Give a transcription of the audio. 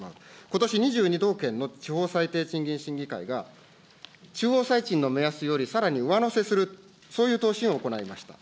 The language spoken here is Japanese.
ことし、２２道県の地方最低賃金審議会が、中央最賃の目安よりさらに上乗せすると、そういう答申を行いました。